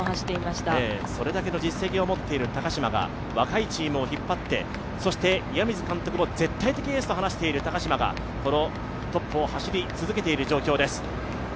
それだけの実績を持っている高島が若い選手を引っ張ってそして岩水監督も絶対的エースと話している高島がこのトップを走り続けている状況です。